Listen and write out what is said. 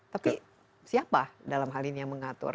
tapi siapa dalam hal ini yang mengatur